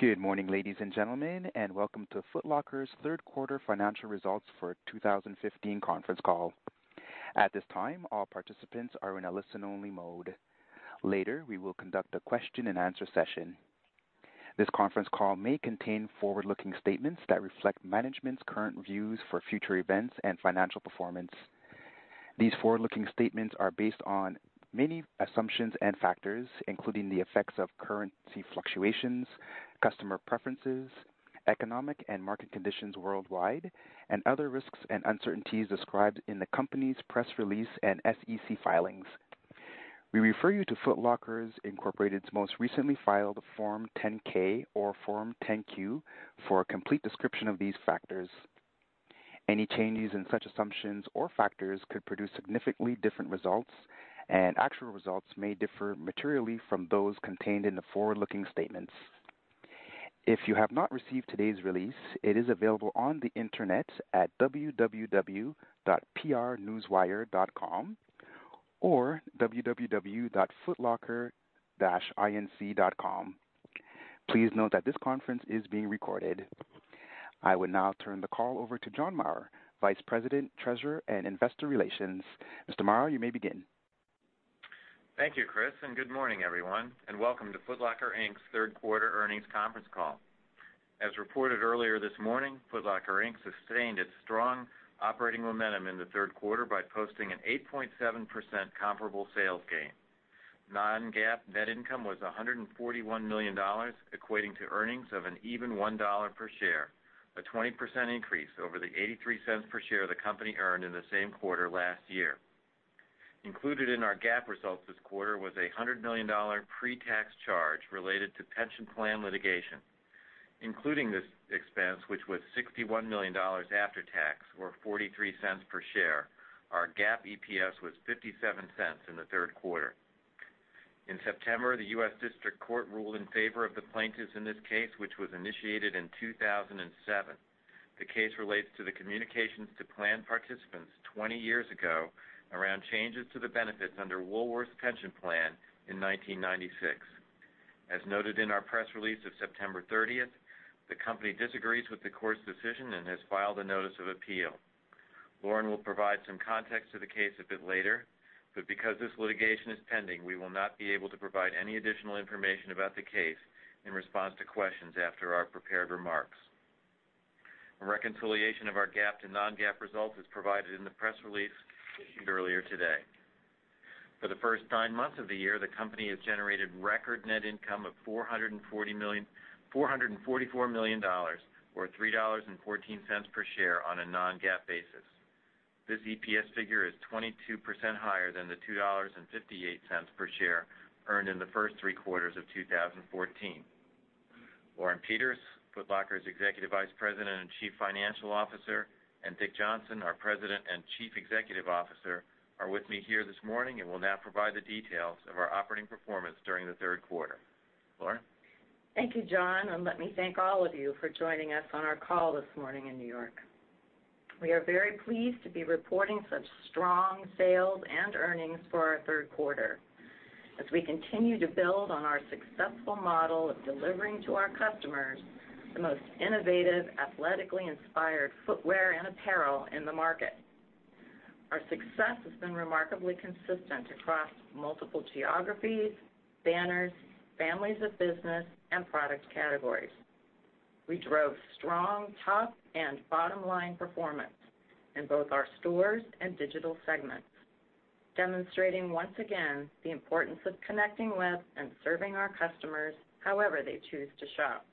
Good morning, ladies and gentlemen, and welcome to Foot Locker's third quarter financial results for 2015 conference call. At this time, all participants are in a listen-only mode. Later, we will conduct a question and answer session. This conference call may contain forward-looking statements that reflect management's current views for future events and financial performance. These forward-looking statements are based on many assumptions and factors, including the effects of currency fluctuations, customer preferences, economic and market conditions worldwide, and other risks and uncertainties described in the company's press release and SEC filings. We refer you to Foot Locker, Inc.'s most recently filed Form 10-K or Form 10-Q for a complete description of these factors. Any changes in such assumptions or factors could produce significantly different results, and actual results may differ materially from those contained in the forward-looking statements. If you have not received today's release, it is available on the internet at www.prnewswire.com or www.footlocker-inc.com. Please note that this conference is being recorded. I would now turn the call over to John Maurer, Vice President, Treasurer, and Investor Relations. Mr. Maurer, you may begin. Thank you, Chris, and good morning, everyone, and welcome to Foot Locker, Inc.'s third quarter earnings conference call. As reported earlier this morning, Foot Locker, Inc. sustained its strong operating momentum in the third quarter by posting an 8.7% comparable sales gain. Non-GAAP net income was $141 million, equating to earnings of an even $1 per share, a 20% increase over the $0.83 per share the company earned in the same quarter last year. Included in our GAAP results this quarter was a $100 million pre-tax charge related to pension plan litigation. Including this expense, which was $61 million after tax, or $0.43 per share, our GAAP EPS was $0.57 in the third quarter. In September, the U.S. District Court ruled in favor of the plaintiffs in this case, which was initiated in 2007. The case relates to the communications to plan participants 20 years ago around changes to the benefits under Woolworth's pension plan in 1996. As noted in our press release of September 30th, the company disagrees with the court's decision and has filed a notice of appeal. Lauren will provide some context to the case a bit later, because this litigation is pending, we will not be able to provide any additional information about the case in response to questions after our prepared remarks. A reconciliation of our GAAP to non-GAAP results is provided in the press release issued earlier today. For the first nine months of the year, the company has generated record net income of $444 million, or $3.14 per share on a non-GAAP basis. This EPS figure is 22% higher than the $2.58 per share earned in the first three quarters of 2014. Lauren Peters, Foot Locker's Executive Vice President and Chief Financial Officer, and Dick Johnson, our President and Chief Executive Officer, are with me here this morning and will now provide the details of our operating performance during the third quarter. Lauren? Thank you, John. Let me thank all of you for joining us on our call this morning in New York. We are very pleased to be reporting such strong sales and earnings for our third quarter as we continue to build on our successful model of delivering to our customers the most innovative, athletically inspired footwear and apparel in the market. Our success has been remarkably consistent across multiple geographies, banners, families of business, and product categories. We drove strong top and bottom-line performance in both our stores and digital segments, demonstrating once again the importance of connecting with and serving our customers however they choose to shop.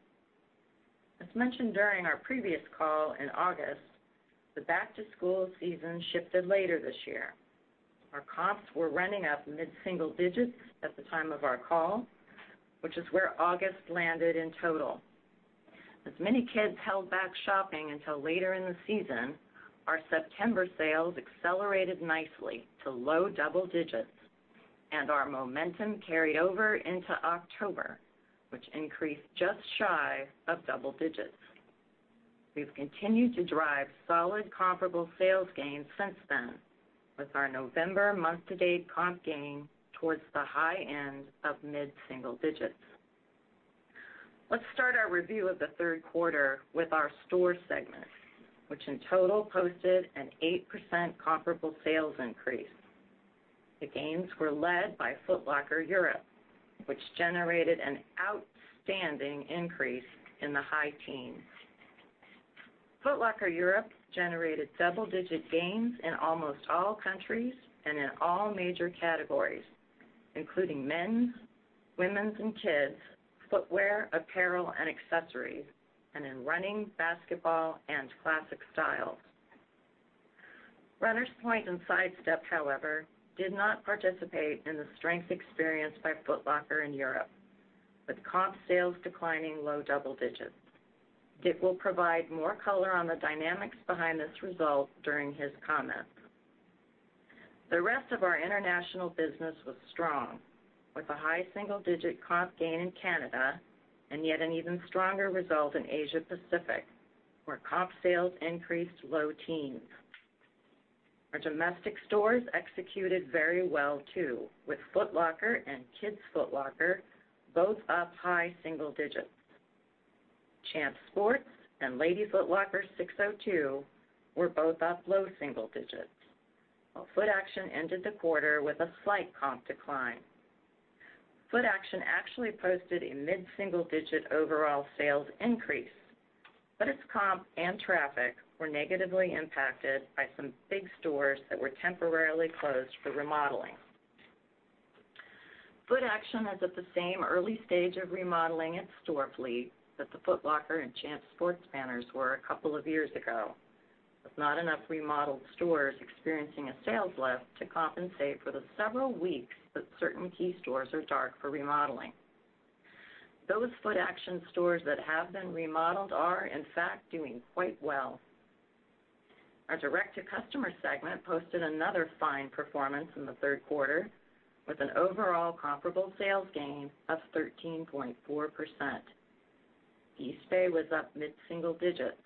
As mentioned during our previous call in August, the back-to-school season shifted later this year. Our comps were running up mid-single digits at the time of our call, which is where August landed in total. Many kids held back shopping until later in the season, our September sales accelerated nicely to low double digits. Our momentum carried over into October, which increased just shy of double digits. We've continued to drive solid comparable sales gains since then with our November month-to-date comp gain towards the high end of mid-single digits. Let's start our review of the third quarter with our store segment, which in total posted an 8% comparable sales increase. The gains were led by Foot Locker Europe, which generated an outstanding increase in the high teens. Foot Locker Europe generated double-digit gains in almost all countries and in all major categories, including men's, women's and kids' footwear, apparel, and accessories, and in running, basketball, and classic styles. Runners Point and Sidestep, however, did not participate in the strength experienced by Foot Locker in Europe, with comp sales declining low double digits. Dick will provide more color on the dynamics behind this result during his comments. The rest of our international business was strong, with a high single-digit comp gain in Canada. Yet an even stronger result in Asia Pacific, where comp sales increased low teens. Our domestic stores executed very well too, with Foot Locker and Kids Foot Locker both up high single digits. Champs Sports and SIX:02 were both up low single digits, while Footaction ended the quarter with a slight comp decline. Footaction actually posted a mid-single-digit overall sales increase, but its comp and traffic were negatively impacted by some big stores that were temporarily closed for remodeling. Footaction is at the same early stage of remodeling its store fleet that the Foot Locker and Champs Sports banners were a couple of years ago, with not enough remodeled stores experiencing a sales lift to compensate for the several weeks that certain key stores are dark for remodeling. Those Footaction stores that have been remodeled are, in fact, doing quite well. Our direct-to-customer segment posted another fine performance in the third quarter with an overall comparable sales gain of 13.4%. Eastbay was up mid-single digits,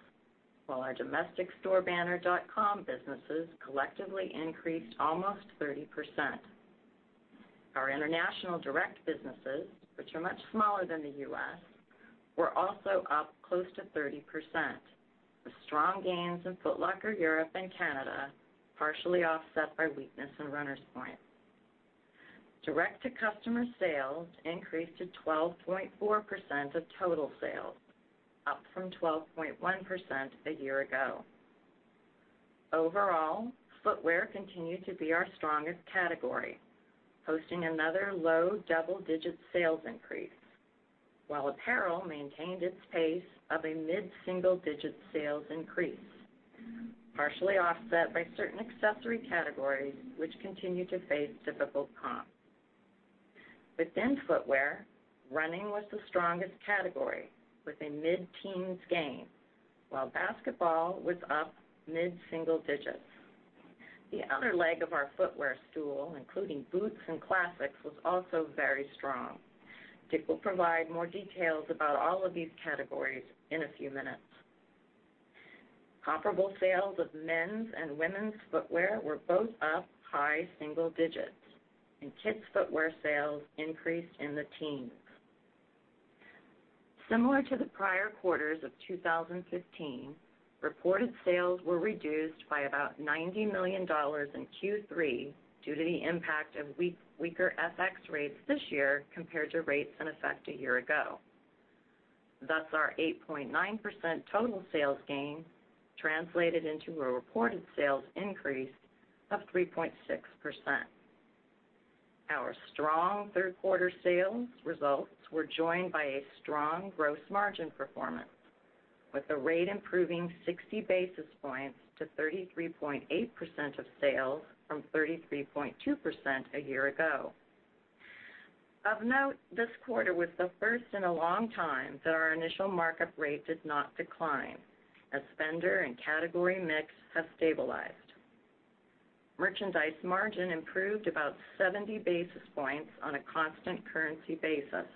while our domestic store banner dot-com businesses collectively increased almost 30%. Our international direct businesses, which are much smaller than the U.S., were also up close to 30%, with strong gains in Foot Locker Europe and Canada, partially offset by weakness in Runners Point. Direct-to-customer sales increased to 12.4% of total sales, up from 12.1% a year ago. Overall, footwear continued to be our strongest category, posting another low double-digit sales increase, while apparel maintained its pace of a mid-single-digit sales increase, partially offset by certain accessory categories, which continue to face difficult comps. Within footwear, running was the strongest category with a mid-teens gain, while basketball was up mid-single digits. The other leg of our footwear stool, including boots and classics, was also very strong. Dick will provide more details about all of these categories in a few minutes. Comparable sales of men's and women's footwear were both up high single digits, and kids footwear sales increased in the teens. Similar to the prior quarters of 2015, reported sales were reduced by about $90 million in Q3 due to the impact of weaker FX rates this year compared to rates in effect a year ago. Our 8.9% total sales gain translated into a reported sales increase of 3.6%. Our strong third quarter sales results were joined by a strong gross margin performance, with the rate improving 60 basis points to 33.8% of sales from 33.2% a year ago. Of note, this quarter was the first in a long time that our initial markup rate did not decline, as vendor and category mix have stabilized. Merchandise margin improved about 70 basis points on a constant currency basis.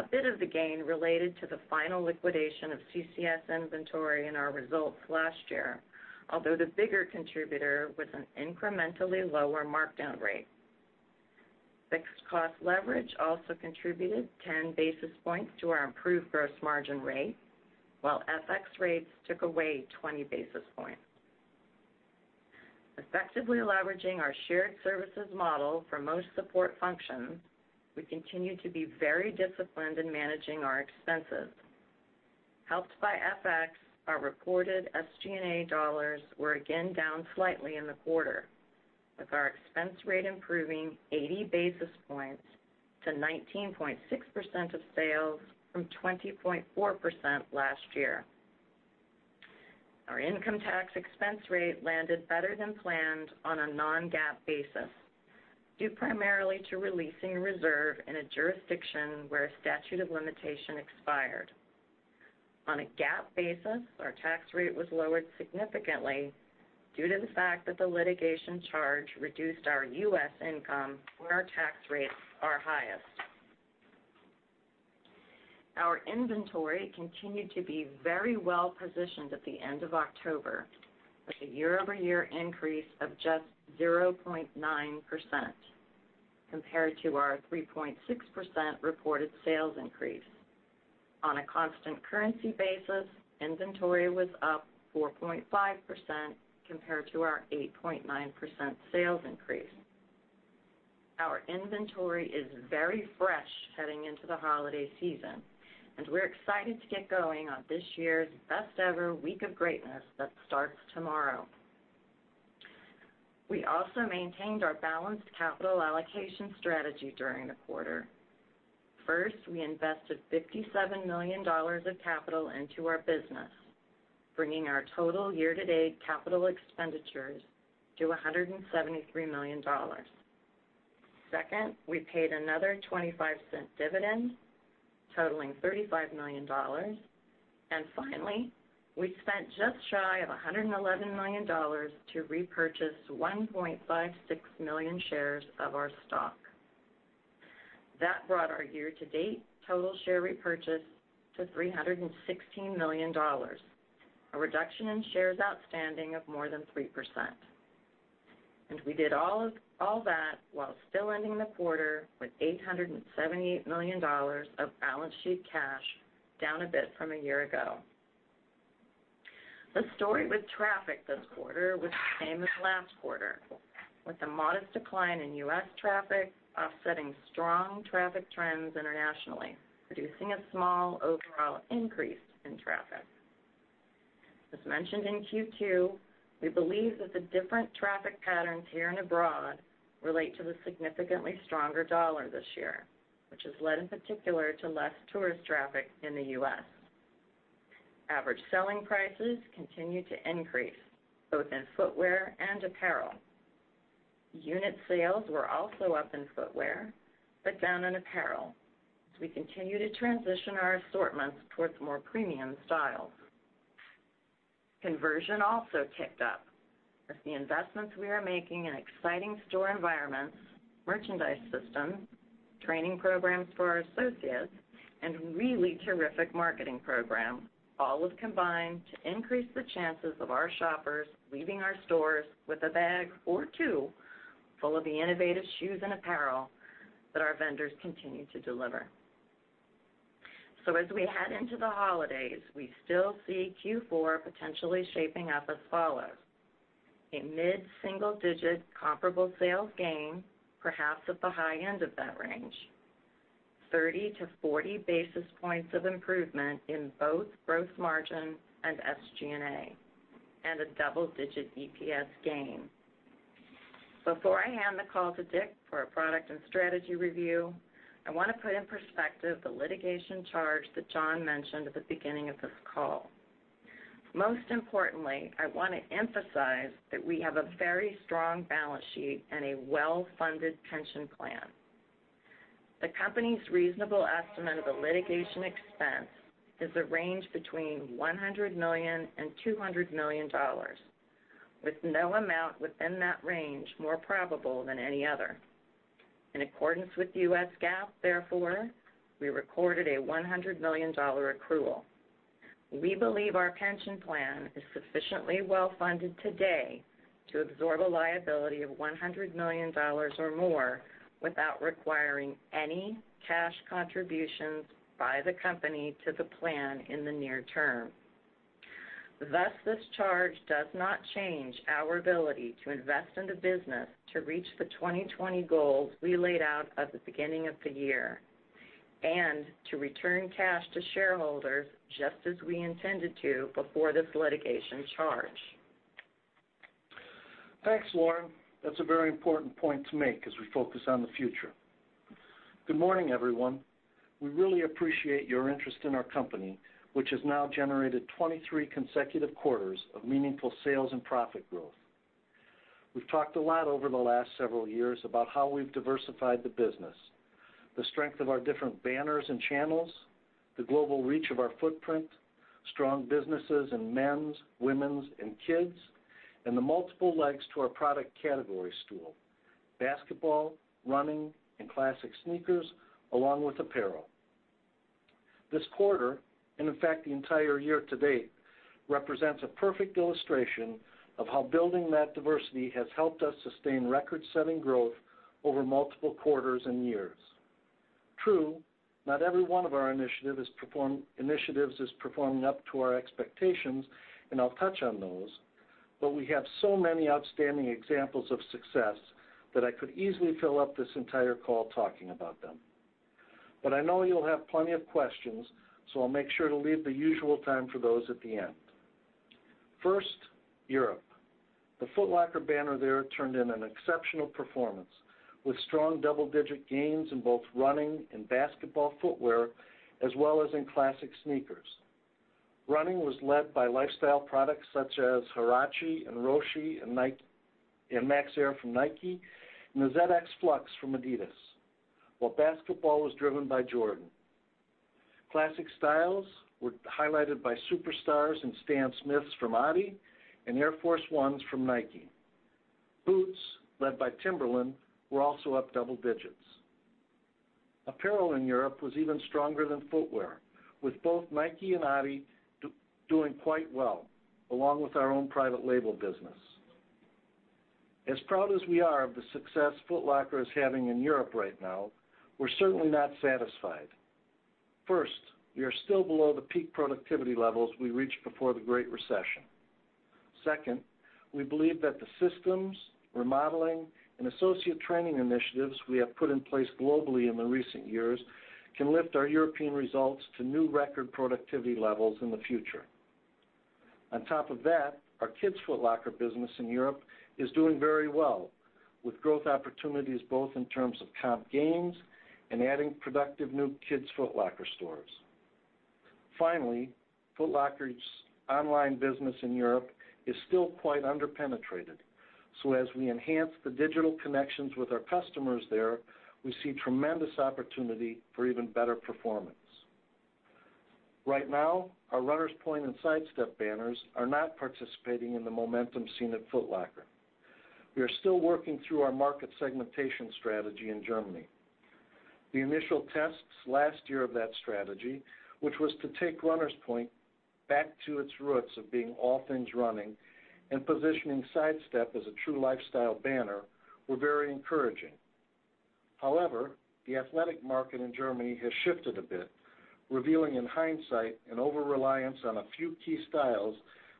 A bit of the gain related to the final liquidation of CCS inventory in our results last year, although the bigger contributor was an incrementally lower markdown rate. Fixed cost leverage also contributed 10 basis points to our improved gross margin rate, while FX rates took away 20 basis points. Effectively leveraging our shared services model for most support functions, we continue to be very disciplined in managing our expenses. Helped by FX, our reported SG&A dollars were again down slightly in the quarter, with our expense rate improving 80 basis points to 19.6% of sales from 20.4% last year. Our income tax expense rate landed better than planned on a non-GAAP basis, due primarily to releasing a reserve in a jurisdiction where a statute of limitation expired. On a GAAP basis, our tax rate was lowered significantly due to the fact that the litigation charge reduced our U.S. income where our tax rates are highest. Our inventory continued to be very well positioned at the end of October, with a year-over-year increase of just 0.9% compared to our 3.6% reported sales increase. On a constant currency basis, inventory was up 4.5% compared to our 8.9% sales increase. Our inventory is very fresh heading into the holiday season. We're excited to get going on this year's best-ever Week of Greatness that starts tomorrow. We also maintained our balanced capital allocation strategy during the quarter. First, we invested $57 million of capital into our business, bringing our total year-to-date capital expenditures to $173 million. Second, we paid another $0.25 dividend totaling $35 million. Finally, we spent just shy of $111 million to repurchase 1.56 million shares of our stock. That brought our year-to-date total share repurchase to $316 million. A reduction in shares outstanding of more than 3%. We did all that while still ending the quarter with $878 million of balance sheet cash, down a bit from a year ago. The story with traffic this quarter was the same as last quarter, with a modest decline in U.S. traffic offsetting strong traffic trends internationally, producing a small overall increase in traffic. As mentioned in Q2, we believe that the different traffic patterns here and abroad relate to the significantly stronger dollar this year, which has led in particular to less tourist traffic in the U.S. Average selling prices continued to increase both in footwear and apparel. Unit sales were also up in footwear but down in apparel, as we continue to transition our assortments towards more premium styles. Conversion also ticked up as the investments we are making in exciting store environments, merchandise systems, training programs for our associates, and really terrific marketing programs, all have combined to increase the chances of our shoppers leaving our stores with a bag or two full of the innovative shoes and apparel that our vendors continue to deliver. As we head into the holidays, we still see Q4 potentially shaping up as follows. A mid-single-digit comparable sales gain, perhaps at the high end of that range. 30 to 40 basis points of improvement in both gross margin and SG&A. A double-digit EPS gain. Before I hand the call to Dick for a product and strategy review, I want to put in perspective the litigation charge that John mentioned at the beginning of this call. Most importantly, I want to emphasize that we have a very strong balance sheet and a well-funded pension plan. The company's reasonable estimate of the litigation expense is a range between $100 million and $200 million, with no amount within that range more probable than any other. In accordance with U.S. GAAP, therefore, we recorded a $100 million accrual. We believe our pension plan is sufficiently well-funded today to absorb a liability of $100 million or more without requiring any cash contributions by the company to the plan in the near term. This charge does not change our ability to invest in the business to reach the 2020 goals we laid out at the beginning of the year and to return cash to shareholders just as we intended to before this litigation charge. Thanks, Lauren. That's a very important point to make as we focus on the future. Good morning, everyone. We really appreciate your interest in our company, which has now generated 23 consecutive quarters of meaningful sales and profit growth. We've talked a lot over the last several years about how we've diversified the business, the strength of our different banners and channels, the global reach of our footprint, strong businesses in men's, women's, and kids, and the multiple legs to our product category stool: basketball, running, and classic sneakers, along with apparel. This quarter, and in fact the entire year to date, represents a perfect illustration of how building that diversity has helped us sustain record-setting growth over multiple quarters and years. True, not every one of our initiatives is performing up to our expectations, and I'll touch on those, but we have so many outstanding examples of success that I could easily fill up this entire call talking about them. I know you'll have plenty of questions, so I'll make sure to leave the usual time for those at the end. First, Europe. The Foot Locker banner there turned in an exceptional performance, with strong double-digit gains in both running and basketball footwear, as well as in classic sneakers. Running was led by lifestyle products such as Huarache and Roshe and Max Air from Nike and the ZX Flux from Adidas, while basketball was driven by Jordan. Classic styles were highlighted by Superstars and Stan Smiths from Adi and Air Force 1s from Nike. Boots, led by Timberland, were also up double digits. Apparel in Europe was even stronger than footwear, with both Nike and Adi doing quite well, along with our own private label business. As proud as we are of the success Foot Locker is having in Europe right now, we're certainly not satisfied. First, we are still below the peak productivity levels we reached before the Great Recession. Second, we believe that the systems, remodeling, and associate training initiatives we have put in place globally in the recent years can lift our European results to new record productivity levels in the future. On top of that, our Kids Foot Locker business in Europe is doing very well, with growth opportunities both in terms of comp gains and adding productive new Kids Foot Locker stores. Finally, Foot Locker's online business in Europe is still quite under-penetrated. As we enhance the digital connections with our customers there, we see tremendous opportunity for even better performance. Right now, our Runners Point and Sidestep banners are not participating in the momentum seen at Foot Locker. We are still working through our market segmentation strategy in Germany. The initial tests last year of that strategy, which was to take Runners Point back to its roots of being all things running and positioning Sidestep as a true lifestyle banner, were very encouraging. However, the athletic market in Germany has shifted a bit, revealing in hindsight an over-reliance on a few key styles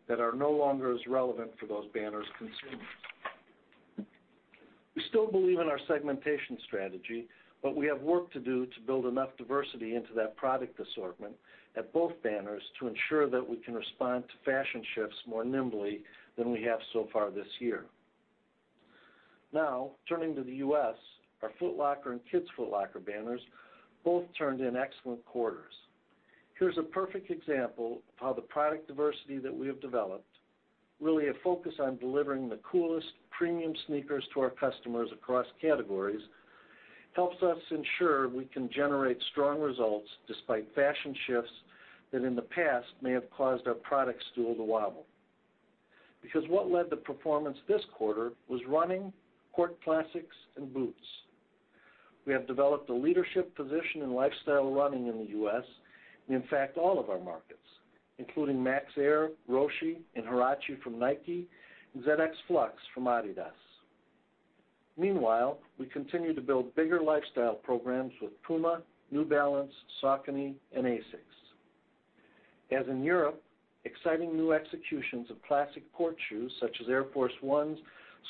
that are no longer as relevant for those banners' consumers. We still believe in our segmentation strategy, but we have work to do to build enough diversity into that product assortment at both banners to ensure that we can respond to fashion shifts more nimbly than we have so far this year. Now, turning to the U.S., our Foot Locker and Kids Foot Locker banners both turned in excellent quarters. Here's a perfect example of how the product diversity that we have developed, really a focus on delivering the coolest premium sneakers to our customers across categories, helps us ensure we can generate strong results despite fashion shifts that in the past may have caused our product stool to wobble. Because what led the performance this quarter was running, court classics, and boots. We have developed a leadership position in lifestyle running in the U.S., and in fact, all of our markets, including Air Max, Roshe, and Huarache from Nike, and ZX Flux from Adidas. Meanwhile, we continue to build bigger lifestyle programs with Puma, New Balance, Saucony, and ASICS. As in Europe, exciting new executions of classic court shoes such as Air Force 1s,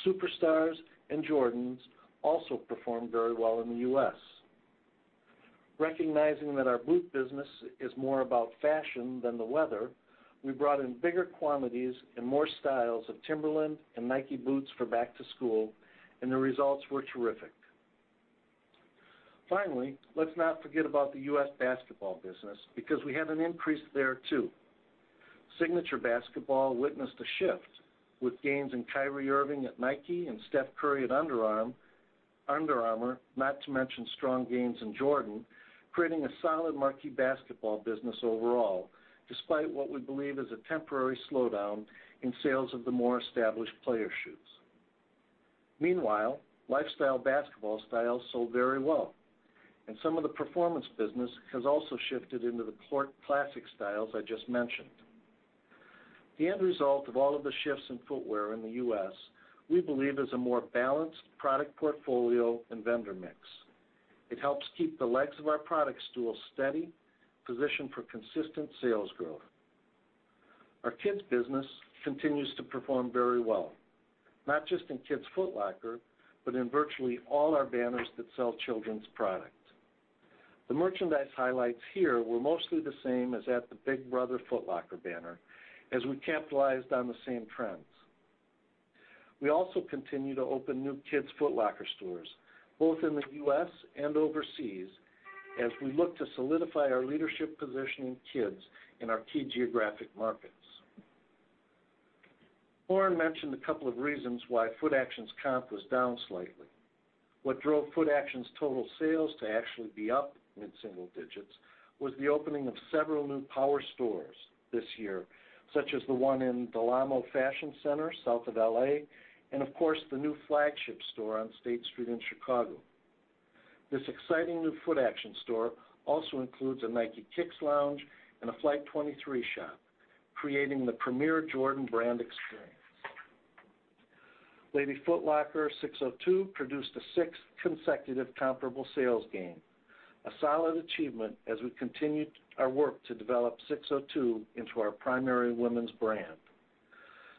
Superstars, and Jordans also performed very well in the U.S. Recognizing that our boot business is more about fashion than the weather, we brought in bigger quantities and more styles of Timberland and Nike boots for back to school, and the results were terrific. Finally, let's not forget about the U.S. basketball business because we had an increase there too. Signature basketball witnessed a shift with gains in Kyrie Irving at Nike and Steph Curry at Under Armour, not to mention strong gains in Jordan, creating a solid marquee basketball business overall, despite what we believe is a temporary slowdown in sales of the more established player shoes. Meanwhile, lifestyle basketball styles sold very well, and some of the performance business has also shifted into the classic styles I just mentioned. The end result of all of the shifts in footwear in the U.S., we believe, is a more balanced product portfolio and vendor mix. It helps keep the legs of our product stool steady, positioned for consistent sales growth. Our kids business continues to perform very well, not just in Kids Foot Locker, but in virtually all our banners that sell children's product. The merchandise highlights here were mostly the same as at the big brother Foot Locker banner, as we capitalized on the same trends. We also continue to open new Kids Foot Locker stores, both in the U.S. and overseas, as we look to solidify our leadership position in kids in our key geographic markets. Lauren mentioned a couple of reasons why Footaction's comp was down slightly. What drove Footaction's total sales to actually be up mid-single digits was the opening of several new power stores this year, such as the one in Del Amo Fashion Center, south of L.A., and of course, the new flagship store on State Street in Chicago. This exciting new Footaction store also includes a Nike Kicks Lounge and a Flight 23 shop, creating the premier Jordan Brand experience. Lady Foot Locker SIX:02 produced a sixth consecutive comparable sales gain, a solid achievement as we continued our work to develop SIX:02 into our primary women's brand.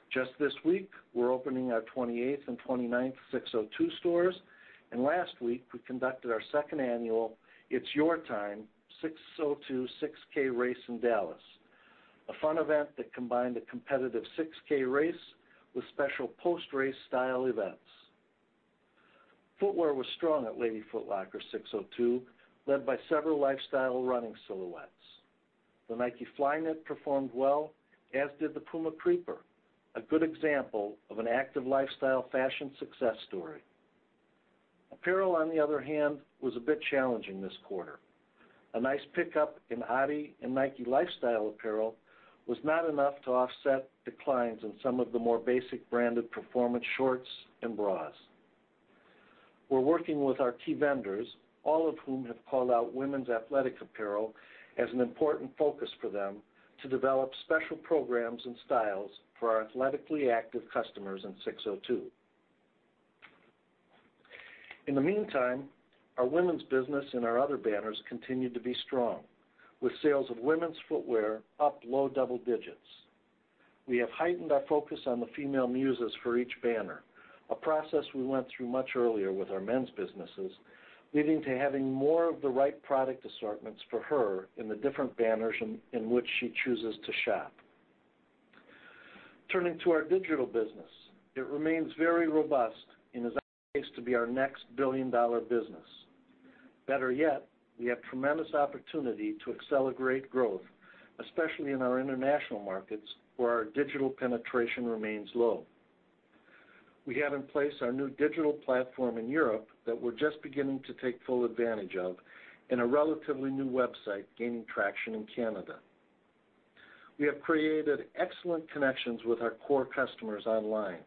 Just this week, we're opening our 28th and 29th SIX:02 stores, and last week, we conducted our second annual It's Your Time SIX:02 6K race in Dallas. A fun event that combined a competitive 6K race with special post-race style events. Footwear was strong at Lady Foot Locker SIX:02, led by several lifestyle running silhouettes. The Nike Flyknit performed well, as did the PUMA Creeper, a good example of an active lifestyle fashion success story. Apparel, on the other hand, was a bit challenging this quarter. A nice pickup in Adidas and Nike lifestyle apparel was not enough to offset declines in some of the more basic branded performance shorts and bras. We're working with our key vendors, all of whom have called out women's athletic apparel as an important focus for them to develop special programs and styles for our athletically active customers in SIX:02. In the meantime, our women's business in our other banners continued to be strong, with sales of women's footwear up low double digits. We have heightened our focus on the female muses for each banner, a process we went through much earlier with our men's businesses, leading to having more of the right product assortments for her in the different banners in which she chooses to shop. Turning to our digital business, it remains very robust and is on pace to be our next billion-dollar business. Better yet, we have tremendous opportunity to accelerate growth, especially in our international markets where our digital penetration remains low. We have in place our new digital platform in Europe that we're just beginning to take full advantage of and a relatively new website gaining traction in Canada. We have created excellent connections with our core customers online,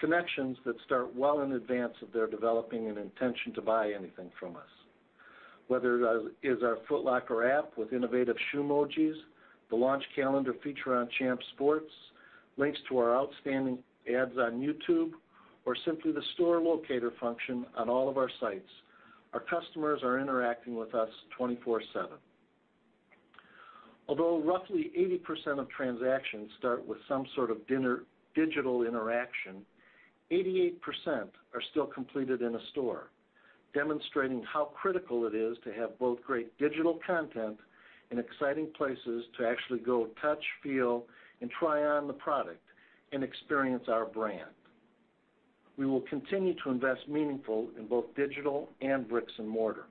connections that start well in advance of their developing an intention to buy anything from us. Whether it is our Foot Locker app with innovative shoe emojis, the launch calendar feature on Champs Sports, links to our outstanding ads on YouTube, or simply the store locator function on all of our sites, our customers are interacting with us 24/7. Although roughly 80% of transactions start with some sort of digital interaction, 88% are still completed in a store, demonstrating how critical it is to have both great digital content and exciting places to actually go touch, feel, and try on the product and experience our brand. We will continue to invest meaningful in both digital and bricks and mortar.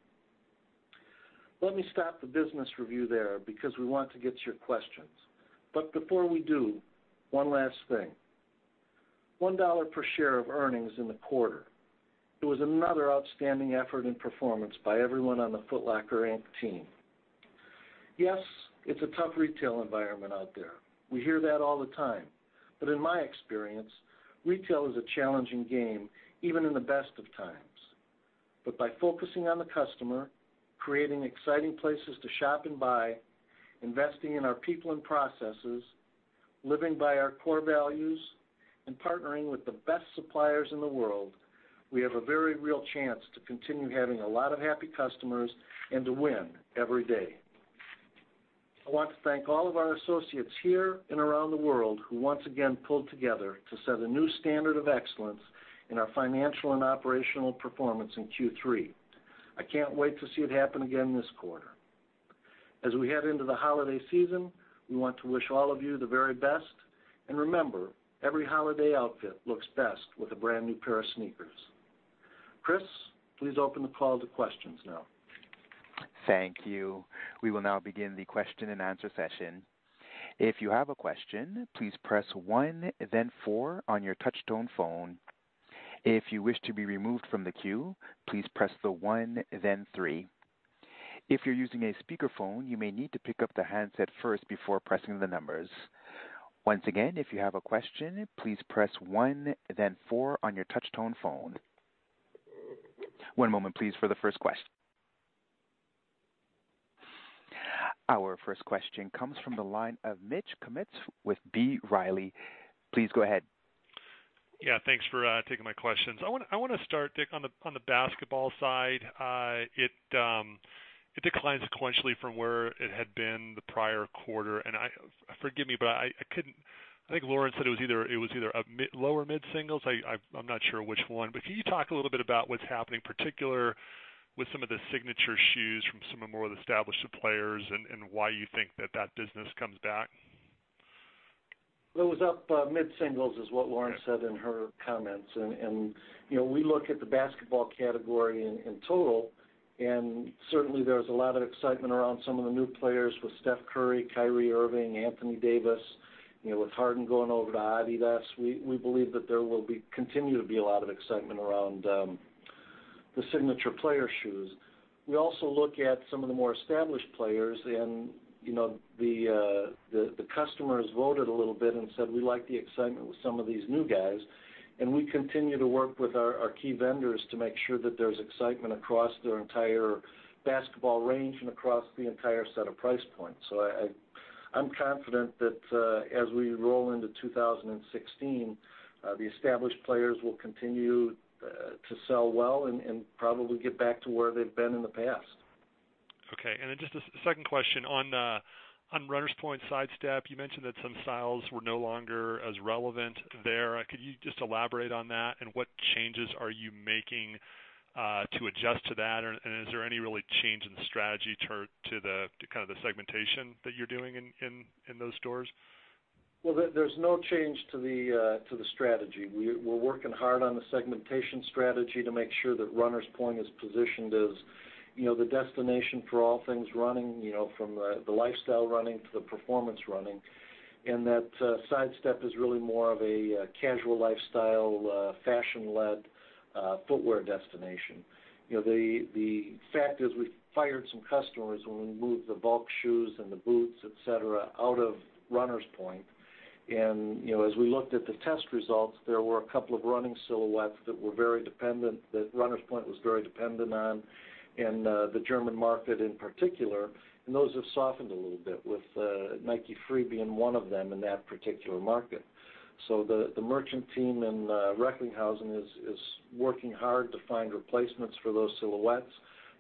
Let me stop the business review there because we want to get to your questions. Before we do, one last thing. $1 per share of earnings in the quarter. It was another outstanding effort and performance by everyone on the Foot Locker, Inc. team. Yes, it's a tough retail environment out there. We hear that all the time. In my experience, retail is a challenging game even in the best of times. By focusing on the customer, creating exciting places to shop and buy, investing in our people and processes, living by our core values, and partnering with the best suppliers in the world, we have a very real chance to continue having a lot of happy customers and to win every day. I want to thank all of our associates here and around the world who once again pulled together to set a new standard of excellence in our financial and operational performance in Q3. I can't wait to see it happen again this quarter. As we head into the holiday season, we want to wish all of you the very best. Remember, every holiday outfit looks best with a brand-new pair of sneakers. Chris, please open the call to questions now. Thank you. We will now begin the question and answer session. If you have a question, please press one, then four on your touch-tone phone. If you wish to be removed from the queue, please press the one, then three. If you're using a speakerphone, you may need to pick up the handset first before pressing the numbers. Once again, if you have a question, please press one, then four on your touch-tone phone. One moment, please, for the first question. Our first question comes from the line of Mitch Kummetz with B. Riley. Please go ahead. Yeah, thanks for taking my questions. I want to start, Dick, on the basketball side. It declines sequentially from where it had been the prior quarter, forgive me, I think Lauren said it was either lower mid-singles. I'm not sure which one. Can you talk a little bit about what's happening, particularly with some of the signature shoes from some of the more established players and why you think that business comes back? It was up mid-singles is what Lauren said in her comments. We look at the basketball category in total, and certainly, there's a lot of excitement around some of the new players with Steph Curry, Kyrie Irving, Anthony Davis. With Harden going over to Adidas, we believe that there will continue to be a lot of excitement around the signature player shoes. We also look at some of the more established players, the customers voted a little bit and said, "We like the excitement with some of these new guys." We continue to work with our key vendors to make sure that there's excitement across their entire basketball range and across the entire set of price points. I'm confident that as we roll into 2016, the established players will continue to sell well and probably get back to where they've been in the past. Okay. Just a second question on Runners Point and Sidestep. You mentioned that some styles were no longer as relevant there. Could you just elaborate on that? What changes are you making to adjust to that? Is there any really change in the strategy to kind of the segmentation that you're doing in those stores? Well, there's no change to the strategy. We're working hard on the segmentation strategy to make sure that Runners Point is positioned as the destination for all things running, from the lifestyle running to the performance running, and that Sidestep is really more of a casual lifestyle, fashion-led footwear destination. The fact is, we fired some customers when we moved the bulk shoes and the boots, et cetera, out of Runners Point. As we looked at the test results, there were a couple of running silhouettes that Runners Point was very dependent on in the German market in particular, and those have softened a little bit with Nike Free being one of them in that particular market. The merchant team in Recklinghausen is working hard to find replacements for those silhouettes.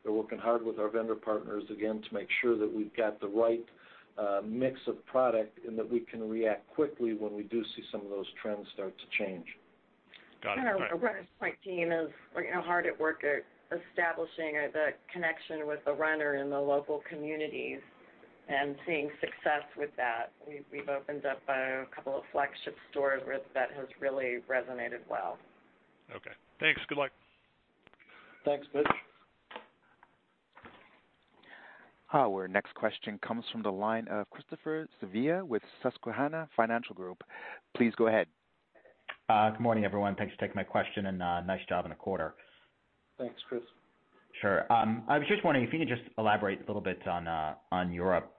They're working hard with our vendor partners, again, to make sure that we've got the right mix of product and that we can react quickly when we do see some of those trends start to change. Got it. The Runners Point team is hard at work at establishing the connection with the runner in the local communities and seeing success with that. We've opened up a couple of flagship stores that has really resonated well. Okay. Thanks. Good luck. Thanks, Mitch. Our next question comes from the line of Christopher Svezia with Susquehanna Financial Group. Please go ahead. Good morning, everyone. Thanks for taking my question and nice job on the quarter. Thanks, Chris. Sure. I was just wondering if you could just elaborate a little bit on Europe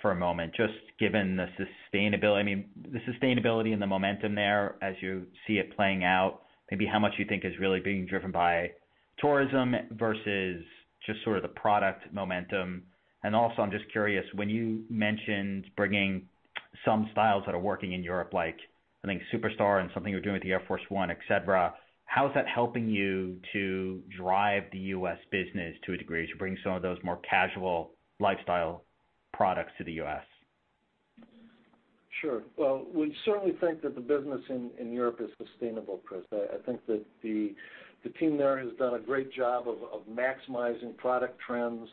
for a moment, just given the sustainability and the momentum there as you see it playing out, maybe how much you think is really being driven by tourism versus just sort of the product momentum. Also, I'm just curious, when you mentioned bringing some styles that are working in Europe, like, I think Superstar and something you're doing with the Air Force 1, et cetera, how is that helping you to drive the U.S. business to a degree as you bring some of those more casual lifestyle products to the U.S.? Sure. Well, we certainly think that the business in Europe is sustainable, Chris. I think that the team there has done a great job of maximizing product trends,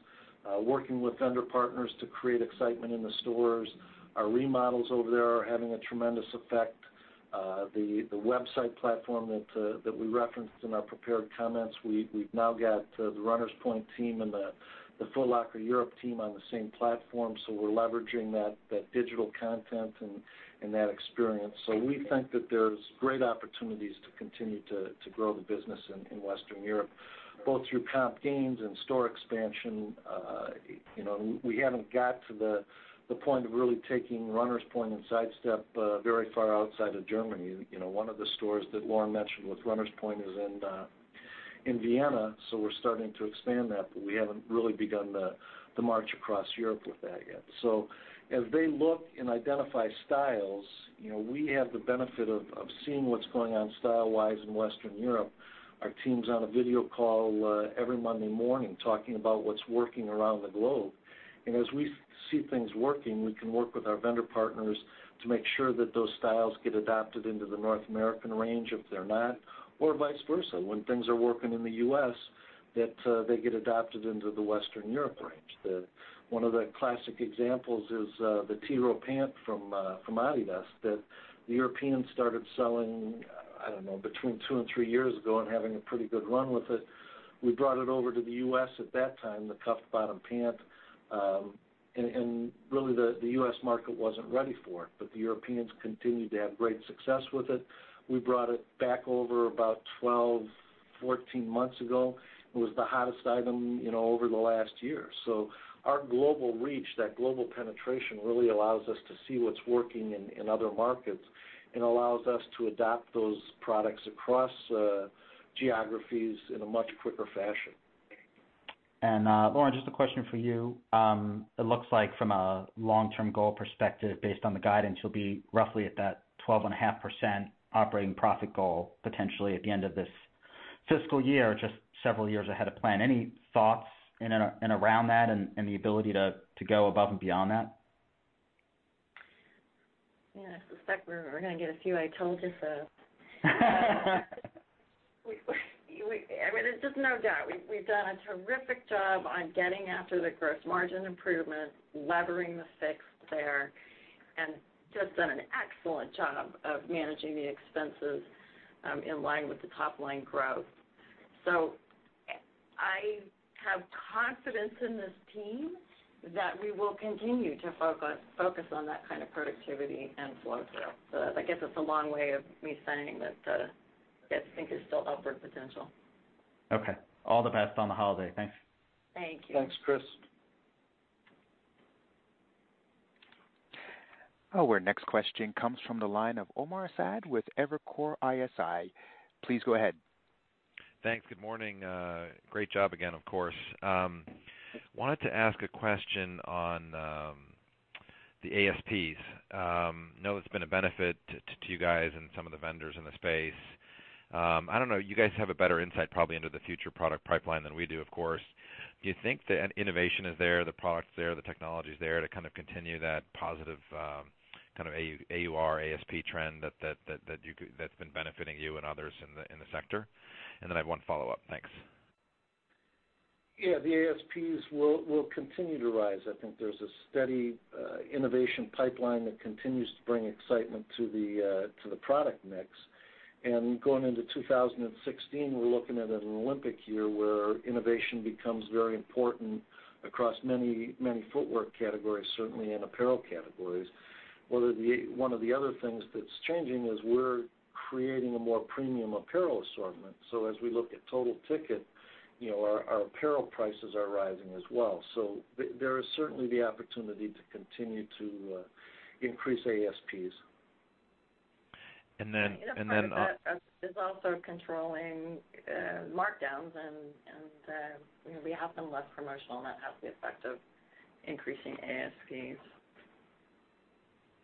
working with vendor partners to create excitement in the stores. Our remodels over there are having a tremendous effect. The website platform that we referenced in our prepared comments, we've now got the Runners Point team and the Foot Locker Europe team on the same platform. We're leveraging that digital content and that experience. We think that there's great opportunities to continue to grow the business in Western Europe, both through comp gains and store expansion. We haven't got to the point of really taking Runners Point and Sidestep very far outside of Germany. One of the stores that Lauren mentioned with Runners Point is in Vienna, we're starting to expand that, but we haven't really begun the march across Europe with that yet. As they look and identify styles, we have the benefit of seeing what's going on style-wise in Western Europe. Our team's on a video call every Monday morning talking about what's working around the globe. As we see things working, we can work with our vendor partners to make sure that those styles get adopted into the North American range if they're not, or vice versa. When things are working in the U.S., that they get adopted into the Western Europe range. One of the classic examples is the Tiro pant from Adidas that the Europeans started selling, I don't know, between two and three years ago and having a pretty good run with it. We brought it over to the U.S. at that time, the cuff bottom pant, and really the U.S. market wasn't ready for it, but the Europeans continued to have great success with it. We brought it back over about 12, 14 months ago. It was the hottest item over the last year. Our global reach, that global penetration really allows us to see what's working in other markets and allows us to adopt those products across geographies in a much quicker fashion. Lauren, just a question for you. It looks like from a long-term goal perspective, based on the guidance, you'll be roughly at that 12.5% operating profit goal potentially at the end of this fiscal year, just several years ahead of plan. Any thoughts in and around that and the ability to go above and beyond that? Yeah, I suspect we're going to get a few, "I told you so." I mean, there's just no doubt. We've done a terrific job on getting after the gross margin improvement, levering the fix there and just done an excellent job of managing the expenses in line with the top-line growth. I have confidence in this team that we will continue to focus on that kind of productivity and flow through. I guess it's a long way of me saying that I think there's still upward potential. Okay. All the best on the holiday. Thanks. Thank you. Thanks, Chris. Our next question comes from the line of Omar Saad with Evercore ISI. Please go ahead. Thanks. Good morning. Great job again, of course. I wanted to ask a question on the ASPs. I know it's been a benefit to you guys and some of the vendors in the space. I don't know. You guys have a better insight probably into the future product pipeline than we do, of course. Do you think the innovation is there, the product's there, the technology's there to kind of continue that positive AUR, ASP trend that's been benefiting you and others in the sector? I have one follow-up. Thanks. Yeah, the ASPs will continue to rise. I think there's a steady innovation pipeline that continues to bring excitement to the product mix. Going into 2016, we're looking at an Olympic year where innovation becomes very important across many footwear categories, certainly in apparel categories. One of the other things that's changing is we're creating a more premium apparel assortment. As we look at total ticket, our apparel prices are rising as well. There is certainly the opportunity to continue to increase ASPs. And then- Part of that is also controlling markdowns, and we have been less promotional, and that has the effect of increasing ASPs.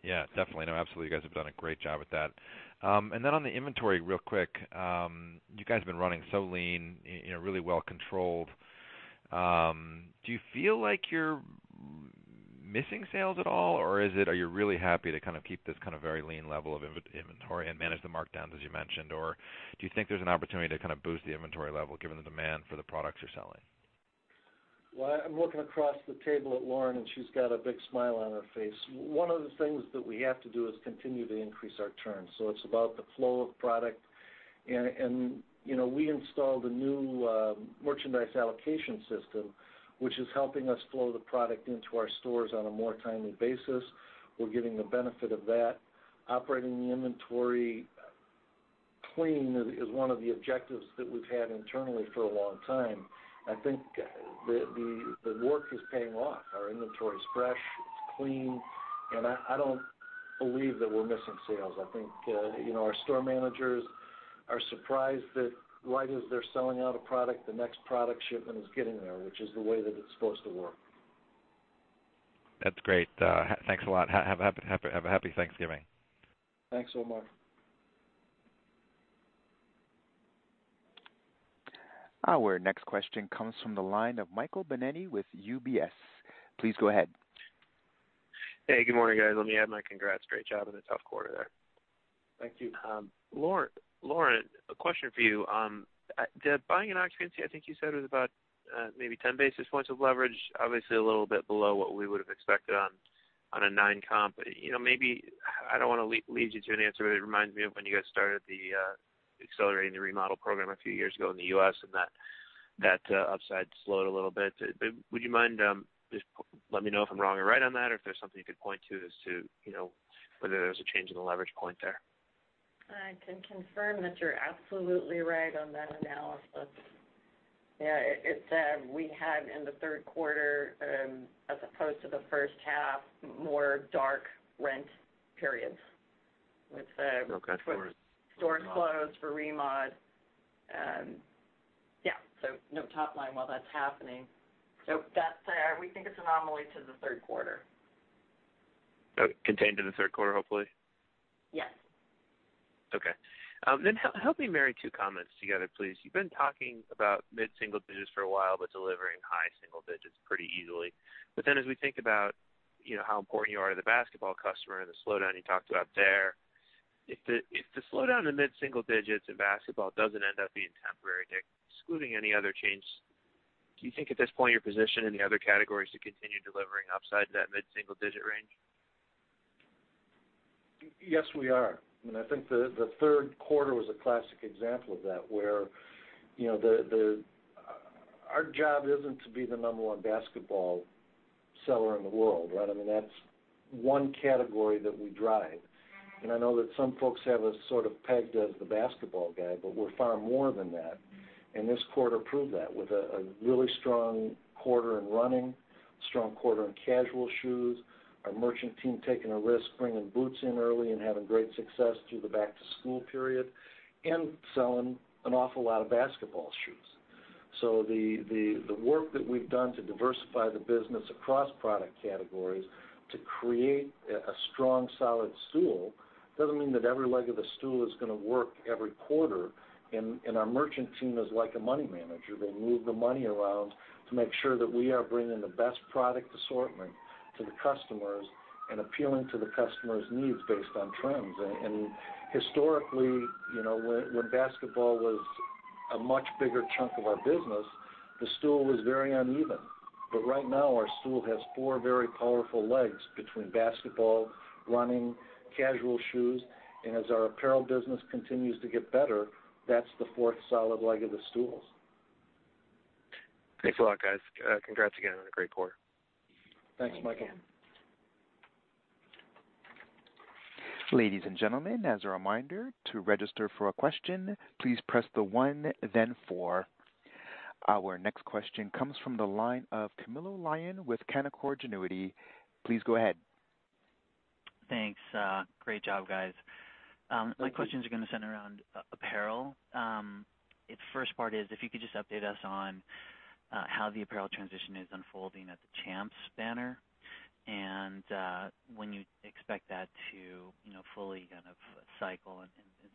You guys have done a great job with that. On the inventory real quick, you guys have been running so lean, really well controlled. Do you feel like you're missing sales at all, or are you really happy to keep this very lean level of inventory and manage the markdowns as you mentioned, or do you think there's an opportunity to kind of boost the inventory level given the demand for the products you're selling? Well, I'm looking across the table at Lauren, and she's got a big smile on her face. One of the things that we have to do is continue to increase our turn. It's about the flow of product. We installed a new merchandise allocation system, which is helping us flow the product into our stores on a more timely basis. We're getting the benefit of that. Operating the inventory clean is one of the objectives that we've had internally for a long time. I think the work is paying off. Our inventory is fresh, it's clean, and I don't believe that we're missing sales. I think our store managers are surprised that right as they're selling out a product, the next product shipment is getting there, which is the way that it's supposed to work. That's great. Thanks a lot. Have a happy Thanksgiving. Thanks, Omar. Our next question comes from the line of Michael Binetti with UBS. Please go ahead. Hey, good morning, guys. Let me add my congrats. Great job on the tough quarter there. Thank you. Lauren, a question for you. The buying and occupancy, I think you said, was about maybe 10 basis points of leverage. Obviously, a little bit below what we would have expected on a nine comp. Maybe, I don't want to lead you to an answer, but it reminds me of when you guys started accelerating the remodel program a few years ago in the U.S. and that upside slowed a little bit. Would you mind just let me know if I'm wrong or right on that, or if there's something you could point to as to whether there's a change in the leverage point there? I can confirm that you're absolutely right on that analysis. Yeah. We had in the third quarter, as opposed to the first half, more dark rent periods with Okay. Sure stores closed for remod. Yeah. No top line while that's happening. We think it's anomaly to the third quarter. Contained to the third quarter, hopefully. Yes. Help me marry two comments together, please. You've been talking about mid-single digits for a while, but delivering high single digits pretty easily. As we think about how important you are to the basketball customer and the slowdown you talked about there, if the slowdown in mid-single digits in basketball doesn't end up being temporary, excluding any other change, do you think at this point you're positioned in the other categories to continue delivering upside to that mid-single digit range? Yes, we are. I think the third quarter was a classic example of that, where our job isn't to be the number one basketball seller in the world, right? That's one category that we drive. I know that some folks have us sort of pegged as the basketball guy, but we're far more than that. This quarter proved that with a really strong quarter in running, strong quarter in casual shoes, our merchant team taking a risk, bringing boots in early and having great success through the back to school period, and selling an awful lot of basketball shoes. The work that we've done to diversify the business across product categories to create a strong, solid stool, doesn't mean that every leg of the stool is going to work every quarter. Our merchant team is like a money manager. They move the money around to make sure that we are bringing the best product assortment to the customers and appealing to the customer's needs based on trends. Historically, when basketball was a much bigger chunk of our business, the stool was very uneven. Right now, our stool has four very powerful legs between basketball, running, casual shoes, and as our apparel business continues to get better, that's the fourth solid leg of the stool. Thanks a lot, guys. Congrats again on a great quarter. Thanks, Michael. Ladies and gentlemen, as a reminder, to register for a question, please press the one, then four. Our next question comes from the line of Camilo Lyon with Canaccord Genuity. Please go ahead. Thanks. Great job, guys. My questions are going to center around apparel. Its first part is, if you could just update us on how the apparel transition is unfolding at the Champs banner, and when you expect that to fully cycle and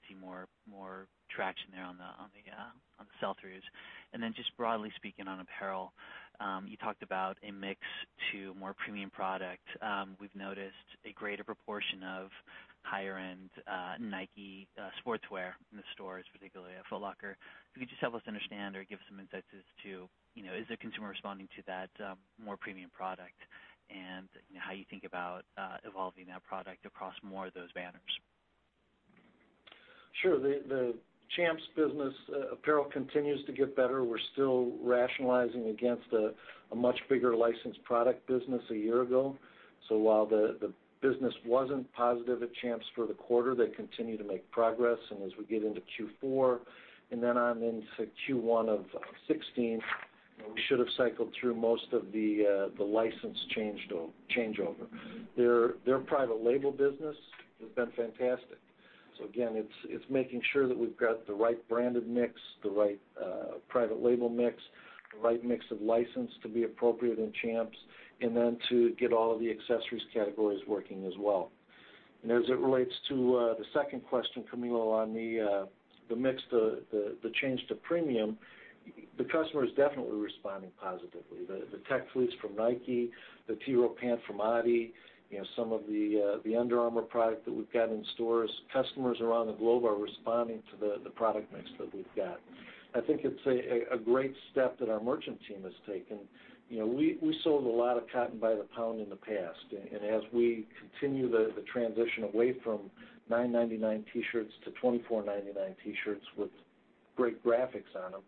see more traction there on the sell-throughs. Just broadly speaking on apparel, you talked about a mix to more premium product. We've noticed a greater proportion of higher-end Nike Sportswear in the stores, particularly at Foot Locker. If you could just help us understand or give some insights as to, is the consumer responding to that more premium product and how you think about evolving that product across more of those banners. Sure. The Champs business apparel continues to get better. We're still rationalizing against a much bigger licensed product business a year ago. While the business wasn't positive at Champs for the quarter, they continue to make progress. As we get into Q4 and then on into Q1 of 2016, we should have cycled through most of the license changeover. Their private label business has been fantastic. Again, it's making sure that we've got the right branded mix, the right private label mix, the right mix of license to be appropriate in Champs, and then to get all of the accessories categories working as well. As it relates to the second question, Camilo, on the mix, the change to premium, the customer is definitely responding positively. The Tech Fleece from Nike, the Tiro pant from Adidas, some of the Under Armour product that we've got in stores. Customers around the globe are responding to the product mix we've got. I think it's a great step that our merchant team has taken. We sold a lot of cotton by the pound in the past. As we continue the transition away from $9.99 T-shirts to $24.99 T-shirts with great graphics on them,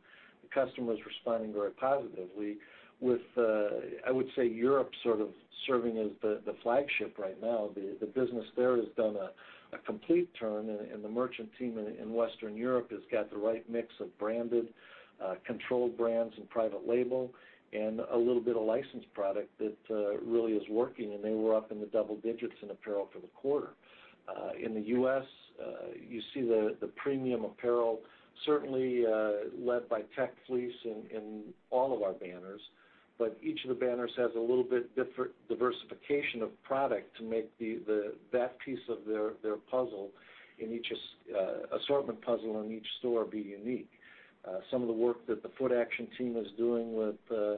the customer's responding very positively with, I would say, Europe sort of serving as the flagship right now. The business there has done a complete turn. The merchant team in Western Europe has got the right mix of branded, controlled brands, and private label, and a little bit of licensed product that really is working. They were up in the double digits in apparel for the quarter. In the U.S., you see the premium apparel, certainly led by Tech Fleece in all of our banners. Each of the banners has a little bit different diversification of product to make that piece of their assortment puzzle in each store be unique. Some of the work that the Footaction team is doing with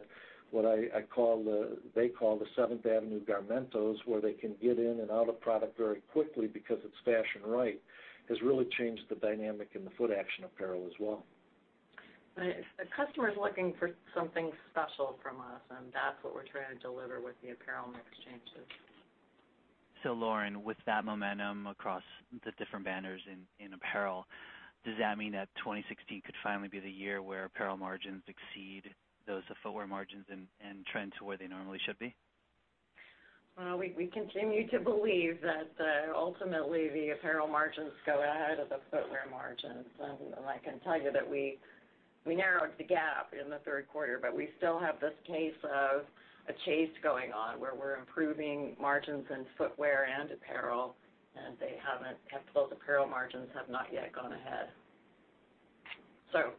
what they call the Seventh Avenue Garmentos, where they can get in and out of product very quickly because it's fashion right, has really changed the dynamic in the Footaction apparel as well. Right. The customer's looking for something special from us. That's what we're trying to deliver with the apparel mix changes. Lauren, with that momentum across the different banners in apparel, does that mean that 2016 could finally be the year where apparel margins exceed those footwear margins and trend to where they normally should be? Well, we continue to believe that ultimately the apparel margins go ahead of the footwear margins. I can tell you that we narrowed the gap in the third quarter, we still have this case of a chase going on, where we're improving margins in footwear and apparel, and those apparel margins have not yet gone ahead.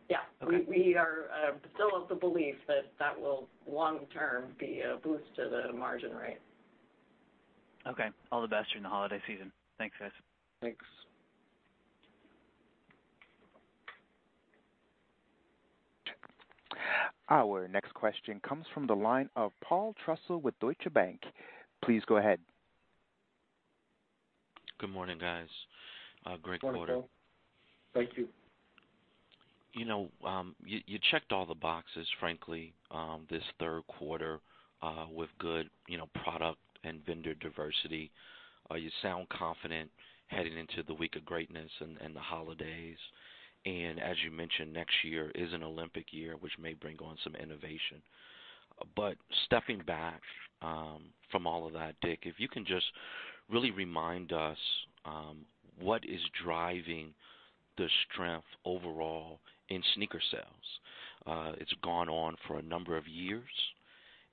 Yeah, we are still of the belief that that will long term be a boost to the margin rate. Okay. All the best during the holiday season. Thanks, guys. Thanks. Our next question comes from the line of Paul Trussell with Deutsche Bank. Please go ahead. Good morning, guys. Great quarter. Good morning, Paul. Thank you. You checked all the boxes, frankly, this third quarter with good product and vendor diversity. You sound confident heading into the Week of Greatness and the holidays. As you mentioned, next year is an Olympic year, which may bring on some innovation. Stepping back from all of that, Dick, if you can just really remind us what is driving the strength overall in sneaker sales. It's gone on for a number of years,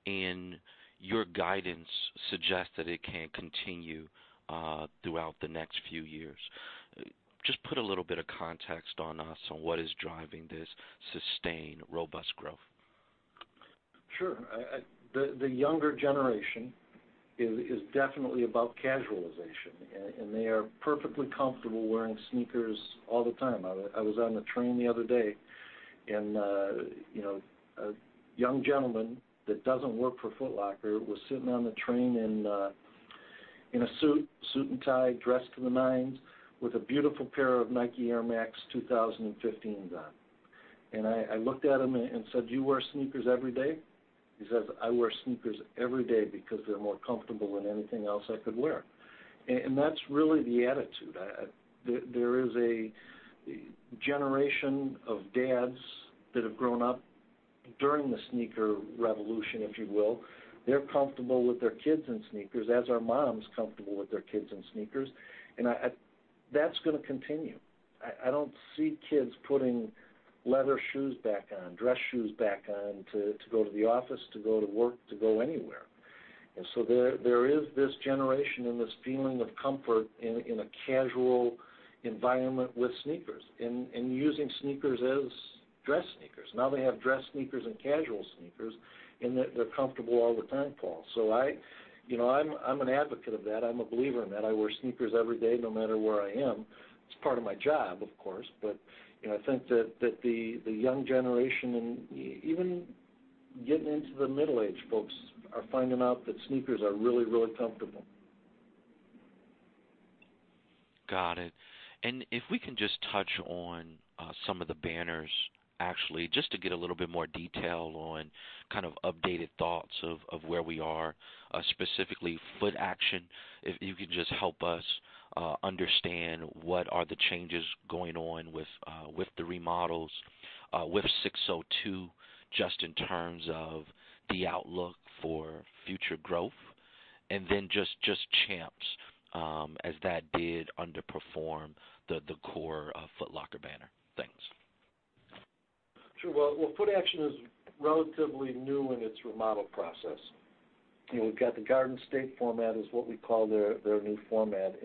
and your guidance suggests that it can continue throughout the next few years. Just put a little bit of context on us on what is driving this sustained, robust growth. Sure. The younger generation is definitely about casualization, and they are perfectly comfortable wearing sneakers all the time. I was on the train the other day, a young gentleman that doesn't work for Foot Locker was sitting on the train in a suit and tie, dressed to the nines, with a beautiful pair of Nike Air Max 2015 on. I looked at him and said, "Do you wear sneakers every day?" He says, "I wear sneakers every day because they're more comfortable than anything else I could wear." That's really the attitude. There is a generation of dads that have grown up during the sneaker revolution, if you will. They're comfortable with their kids in sneakers, as are moms comfortable with their kids in sneakers. That's going to continue. I don't see kids putting leather shoes back on, dress shoes back on to go to the office, to go to work, to go anywhere. There is this generation and this feeling of comfort in a casual environment with sneakers and using sneakers as dress sneakers. Now they have dress sneakers and casual sneakers, and they're comfortable all the time, Paul. I'm an advocate of that. I'm a believer in that. I wear sneakers every day no matter where I am. It's part of my job, of course. I think that the young generation, and even getting into the middle-aged folks, are finding out that sneakers are really, really comfortable. Got it. If we can just touch on some of the banners, actually, just to get a little bit more detail on kind of updated thoughts of where we are. Specifically Footaction. If you could just help us understand what are the changes going on with the remodels with SIX:02, just in terms of the outlook for future growth. Then just Champs, as that did underperform the core Foot Locker banner. Thanks. Sure. Well, Footaction is relatively new in its remodel process. We've got the Garden State format is what we call their new format.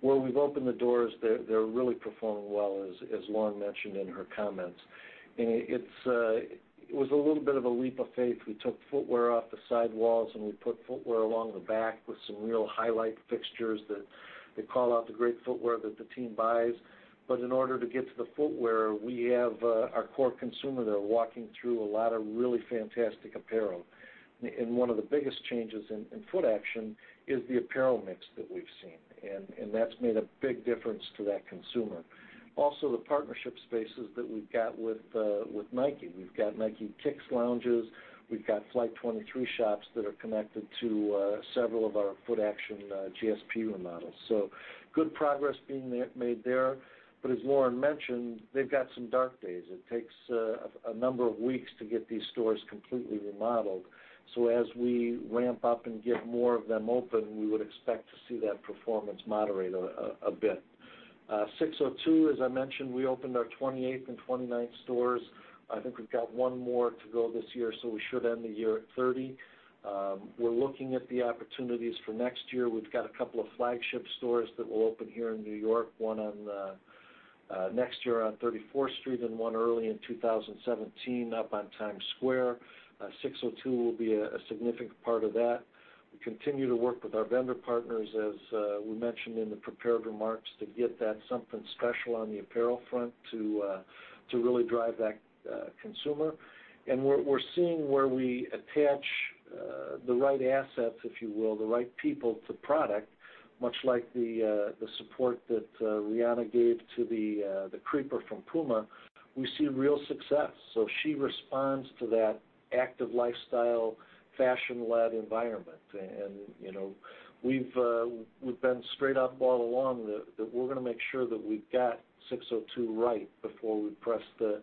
Where we've opened the doors, they're really performing well, as Lauren mentioned in her comments. It was a little bit of a leap of faith. We took footwear off the sidewalls. We put footwear along the back with some real highlight fixtures that call out the great footwear that the team buys. In order to get to the footwear, we have our core consumer. They're walking through a lot of really fantastic apparel. One of the biggest changes in Footaction is the apparel mix that we've seen, and that's made a big difference to that consumer. Also, the partnership spaces that we've got with Nike. We've got Nike Kicks Lounges. We've got Flight 23 shops that are connected to several of our Footaction GSP remodels. Good progress being made there. As Lauren mentioned, they've got some dark days. It takes a number of weeks to get these stores completely remodeled. As we ramp up and get more of them open, we would expect to see that performance moderate a bit. SIX:02, as I mentioned, we opened our 28th and 29th stores. I think we've got one more to go this year, so we should end the year at 30. We're looking at the opportunities for next year. We've got a couple of flagship stores that will open here in New York, one next year on 34th Street and one early in 2017 up on Times Square. SIX:02 will be a significant part of that. We continue to work with our vendor partners, as we mentioned in the prepared remarks, to get that something special on the apparel front to really drive that consumer. We're seeing where we attach the right assets, if you will, the right people to product, much like the support that Rihanna gave to the Creeper from Puma, we see real success. She responds to that active lifestyle, fashion-led environment. We've been straight up all along that we're going to make sure that we've got SIX:02 right before we press the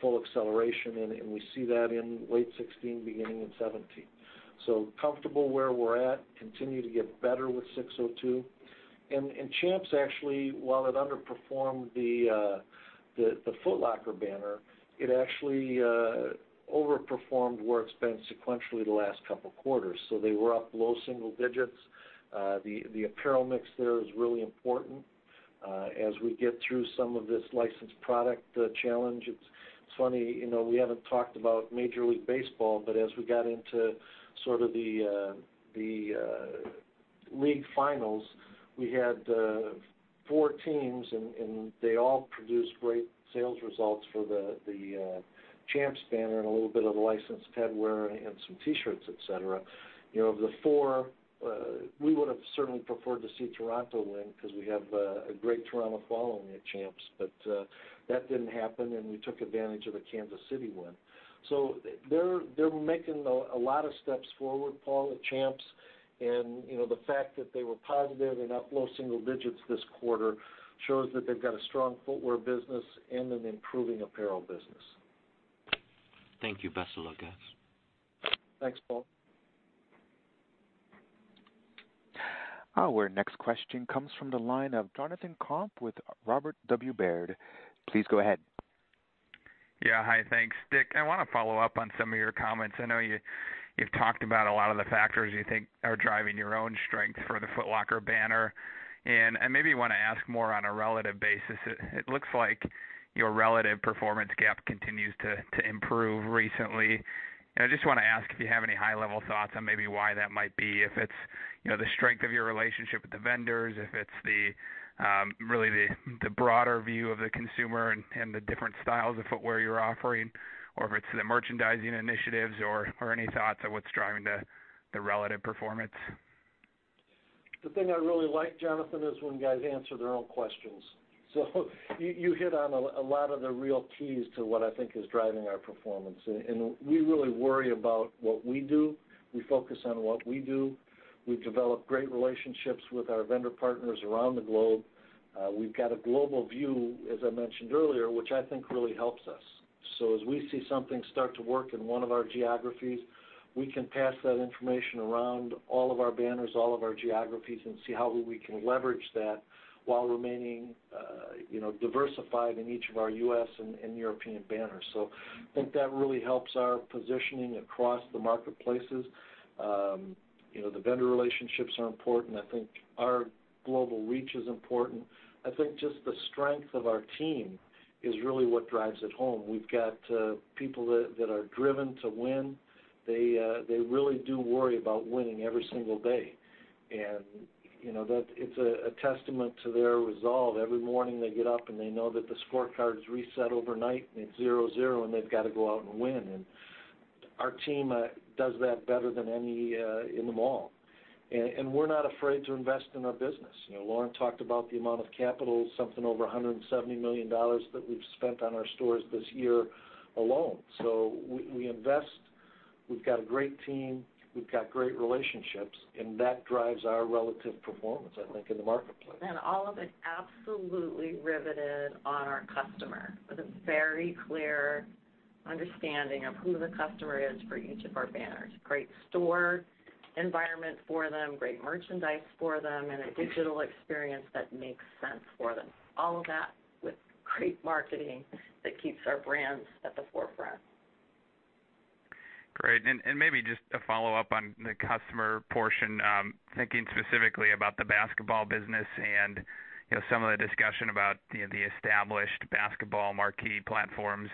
full acceleration in. We see that in late 2016, beginning in 2017. Comfortable where we're at, continue to get better with SIX:02. Champs actually, while it underperformed the Foot Locker banner, it actually overperformed where it's been sequentially the last couple of quarters. They were up low single digits. The apparel mix there is really important. As we get through some of this licensed product challenge, it's funny, we haven't talked about Major League Baseball, but as we got into the league finals, we had four teams, and they all produced great sales results for the Champs banner and a little bit of the licensed headwear and some T-shirts, et cetera. Of the four, we would have certainly preferred to see Toronto win because we have a great Toronto following at Champs. That didn't happen, and we took advantage of the Kansas City one. They're making a lot of steps forward, Paul, at Champs, and the fact that they were positive and up low single digits this quarter shows that they've got a strong footwear business and an improving apparel business. Thank you. Best of luck, guys. Thanks, Paul. Our next question comes from the line of Jonathan Komp with Robert W. Baird. Please go ahead. Yeah. Hi. Thanks. Dick, I want to follow up on some of your comments. I know you've talked about a lot of the factors you think are driving your own strength for the Foot Locker banner. I maybe want to ask more on a relative basis. It looks like your relative performance gap continues to improve recently. I just want to ask if you have any high-level thoughts on maybe why that might be, if it's the strength of your relationship with the vendors, if it's really the broader view of the consumer and the different styles of footwear you're offering, or if it's the merchandising initiatives or any thoughts on what's driving the relative performance. The thing I really like, Jonathan, is when guys answer their own questions. You hit on a lot of the real keys to what I think is driving our performance. We really worry about what we do. We focus on what we do. We develop great relationships with our vendor partners around the globe. We've got a global view, as I mentioned earlier, which I think really helps us. As we see something start to work in one of our geographies, we can pass that information around all of our banners, all of our geographies, and see how we can leverage that while remaining diversified in each of our U.S. and European banners. I think that really helps our positioning across the marketplaces. The vendor relationships are important. I think our global reach is important. I think just the strength of our team is really what drives it home. We've got people that are driven to win. They really do worry about winning every single day. It's a testament to their resolve. Every morning they get up, and they know that the scorecard is reset overnight, and it's zero-zero. They've got to go out and win. Our team does that better than any in the mall. We're not afraid to invest in our business. Lauren talked about the amount of capital, something over $170 million that we've spent on our stores this year alone. We invest. We've got a great team. We've got great relationships, and that drives our relative performance, I think, in the marketplace. All of it absolutely riveted on our customer with a very clear understanding of who the customer is for each of our banners. Great store environment for them, great merchandise for them, and a digital experience that makes sense for them. All of that with great marketing that keeps our brands at the forefront. Great. Maybe just a follow-up on the customer portion, thinking specifically about the basketball business and some of the discussion about the established basketball marquee platforms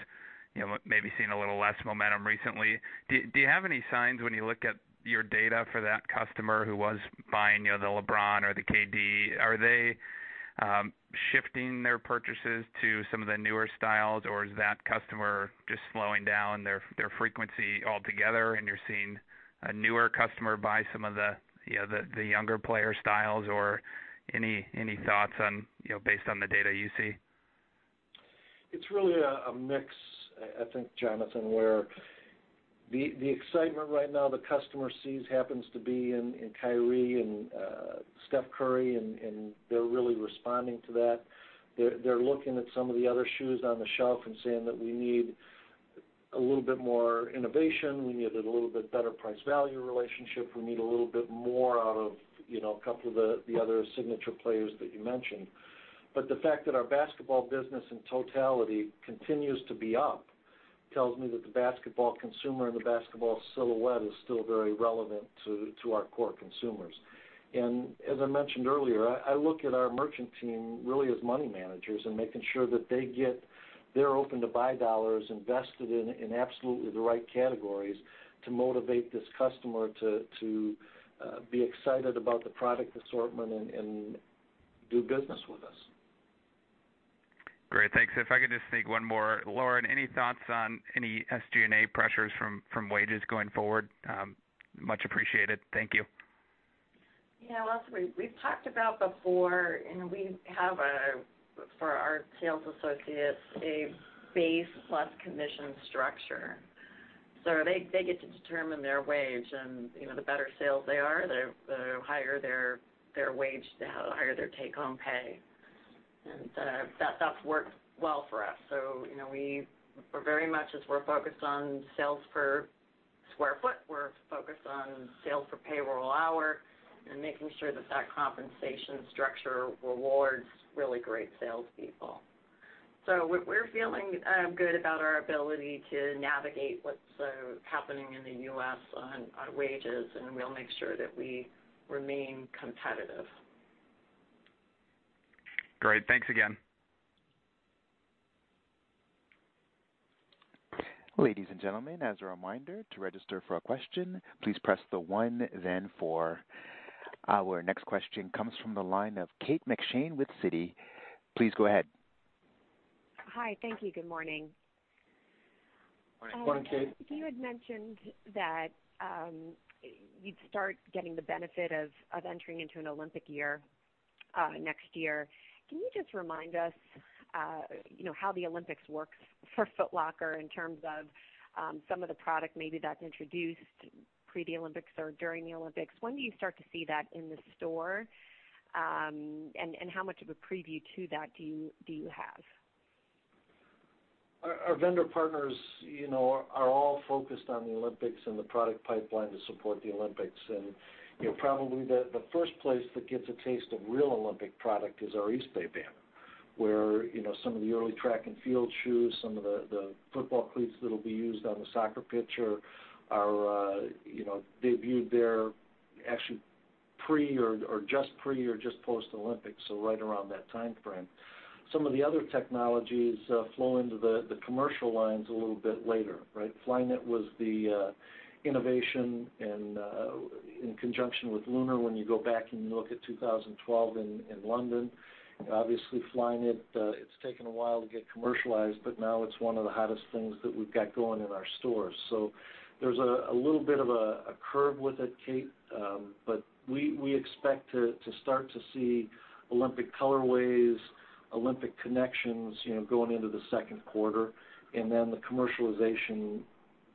maybe seeing a little less momentum recently. Do you have any signs when you look at your data for that customer who was buying the LeBron or the KD, are they shifting their purchases to some of the newer styles, or is that customer just slowing down their frequency altogether and you're seeing a newer customer buy some of the younger player styles or any thoughts based on the data you see? It's really a mix, I think, Jonathan, where the excitement right now the customer sees happens to be in Kyrie and Stephen Curry, and they're really responding to that. They're looking at some of the other shoes on the shelf and saying that we need a little bit more innovation. We need a little bit better price value relationship. We need a little bit more out of a couple of the other signature players that you mentioned. The fact that our basketball business in totality continues to be up tells me that the basketball consumer and the basketball silhouette is still very relevant to our core consumers. As I mentioned earlier, I look at our merchant team really as money managers and making sure that they get their open-to-buy dollars invested in absolutely the right categories to motivate this customer to be excited about the product assortment and do business with us. Great. Thanks. If I could just sneak one more. Lauren, any thoughts on any SG&A pressures from wages going forward? Much appreciated. Thank you. Well, we've talked about before and we have for our sales associates, a base plus commission structure. They get to determine their wage and the better sales they are, the higher their wage, the higher their take home pay. That stuff works well for us. We're very much as we're focused on sales per square foot, we're focused on sales per payroll hour and making sure that compensation structure rewards really great sales people. We're feeling good about our ability to navigate what's happening in the U.S. on wages, and we'll make sure that we remain competitive. Great. Thanks again. Ladies and gentlemen, as a reminder, to register for a question, please press the one, then four. Our next question comes from the line of Kate McShane with Citi. Please go ahead. Hi. Thank you. Good morning. Morning, Kate. You had mentioned that you'd start getting the benefit of entering into an Olympic year next year. Can you just remind us how the Olympics works for Foot Locker in terms of some of the product maybe that's introduced pre the Olympics or during the Olympics. When do you start to see that in the store? How much of a preview to that do you have? Our vendor partners are all focused on the Olympics and the product pipeline to support the Olympics. Probably the first place that gets a taste of real Olympic product is our Eastbay banner, where some of the early track and field shoes, some of the football cleats that'll be used on the soccer pitch are debuted there actually pre or just post Olympics, so right around that timeframe. Some of the other technologies flow into the commercial lines a little bit later. Flyknit was the innovation in conjunction with Lunar when you go back and you look at 2012 in London. Obviously Flyknit, it's taken a while to get commercialized, but now it's one of the hottest things that we've got going in our stores. There's a little bit of a curve with it, Kate. We expect to start to see Olympic colorways, Olympic connections, going into the second quarter, and then the commercialization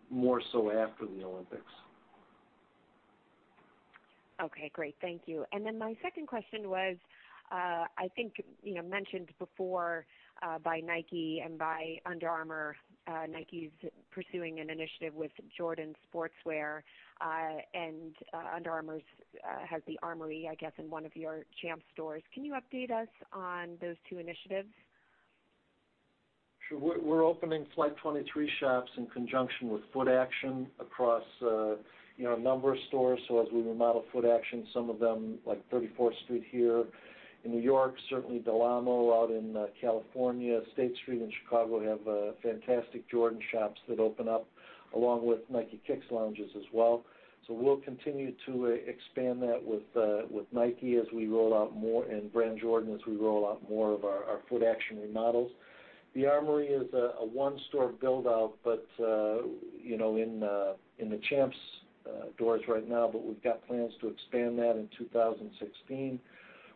more so after the Olympics. Okay, great. Thank you. Then my second question was, I think, mentioned before by Nike and by Under Armour, Nike's pursuing an initiative with Jordan Sportswear, and Under Armour has The ARMOURY, I guess, in one of your Champs stores. Can you update us on those two initiatives? Sure. We're opening Flight 23 shops in conjunction with Footaction across a number of stores. As we remodel Footaction, some of them like 34th Street here in New York, certainly Del Amo out in California, State Street in Chicago, have fantastic Jordan shops that open up along with Nike Kicks Lounges as well. We'll continue to expand that with Nike as we roll out more in Jordan Brand, as we roll out more of our Footaction remodels. The ARMOURY is a one-store build-out, in the Champs stores right now, but we've got plans to expand that in 2016.